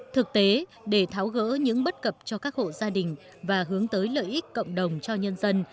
thực tế để tháo gỡ những bất cập cho các hộ gia đình và hướng tới lợi ích cộng đồng cho nhân dân